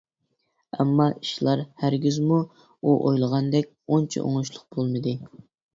ئەمما ئىشلار ھەرگىزمۇ ئۇ ئويلىغاندەك ئۇنچە ئوڭۇشلۇق بولمىدى.